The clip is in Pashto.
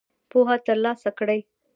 پوهه تر لاسه کړئ